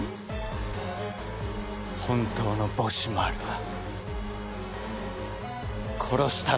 本当のボシマールは殺したのか？